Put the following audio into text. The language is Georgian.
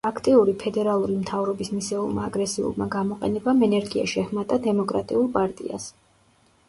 აქტიური ფედერალური მთავრობის მისეულმა აგრესიულმა გამოყენებამ ენერგია შეჰმატა დემოკრატიულ პარტიას.